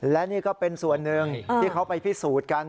และนี่ก็เป็นส่วนหนึ่งที่เขาไปพิสูจน์กัน